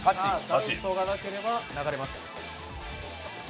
ダウトがなければ流れます。